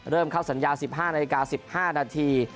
เริ่มเข้าสัญญา๑๕นาฬิกา๑๕นาที